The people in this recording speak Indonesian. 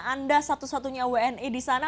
anda satu satunya wni di sana